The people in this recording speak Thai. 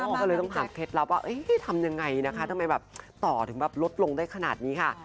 ก็เลยต้องหาเคล็ดรับว่าทำยังไงนะคะทำไมต่อถึงลดลงได้ขนาดนี้ค่ะ